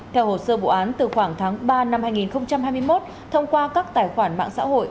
theo hồ sơ bộ án từ khoảng tháng ba năm hai nghìn hai mươi một thông qua các tài khoản mạng xã hội